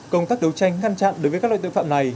công tác đấu tranh ngăn chặn đối với các loại tội phạm này